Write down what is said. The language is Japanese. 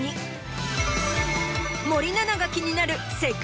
森七菜が気になる。